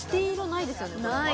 ないですね